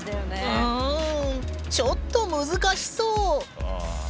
うんちょっと難しそう。